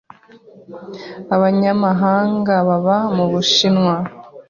Abanyamahanga baba mu Bushinwa